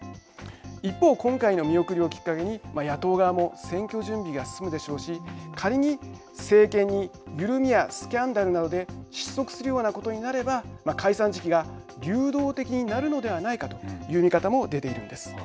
一方、今回の見送りをきっかけに野党側も選挙準備が進むでしょうし仮に政権に緩みやスキャンダルなどで失速するようなことになれば解散時期が流動的になるのではないかという見方も出ているんです。